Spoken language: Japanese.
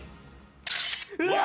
うわ！